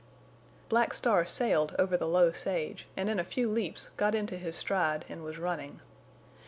Black Star sailed over the low sage, and in a few leaps got into his stride and was running.